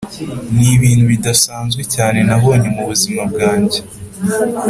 nibintu bidasanzwe cyane nabonye mubuzima bwanjye.